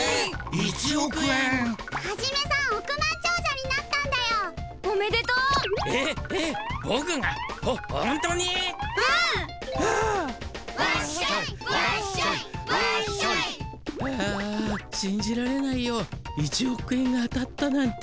１おく円が当たったなんて。